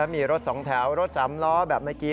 มีรถสองแถวรถสามล้อแบบเมื่อกี้